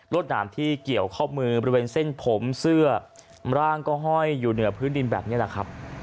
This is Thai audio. หนามที่เกี่ยวข้อมือบริเวณเส้นผมเสื้อร่างก็ห้อยอยู่เหนือพื้นดินแบบนี้แหละครับ